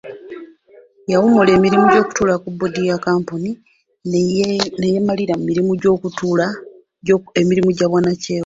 Yawummula emirimu gy'okutuula ku bboodi ya kkampuni ne yeemalira ku mirimu gye egy'obwannakyewa.